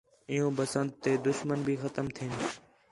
عِیُّوں بسنت تے دُشمن بھی ختم تھئین